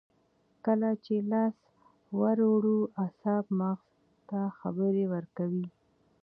کله چې لاس ور وړو اعصاب مغز ته خبر ورکوي